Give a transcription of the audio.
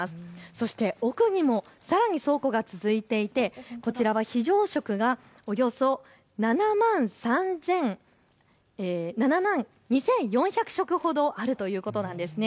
そして奥にもさらに倉庫が続いていて、こちらは非常食がおよそ７万２４００食ほどあるということなんです。